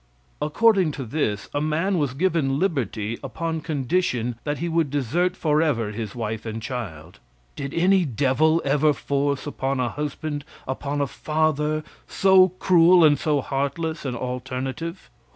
According to this, a man was given liberty upon condition that he would desert forever his wife and children. Did any devil ever force upon a husband, upon a father, so cruel and so heartless an alternative?